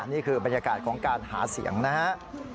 นี่คือบรรยากาศของการหาเสียงนะครับ